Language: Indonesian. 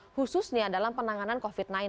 khususnya dalam penanganan covid sembilan belas